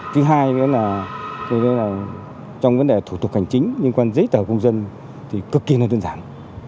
thứ hai trong vấn đề thủ tục hành chính liên quan đến giấy tờ công dân thì cực kỳ là đơn giản